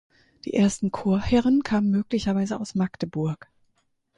Die ersten Chorherren kamen möglicherweise aus Magdeburg.